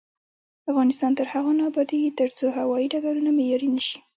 افغانستان تر هغو نه ابادیږي، ترڅو هوايي ډګرونه معیاري نشي.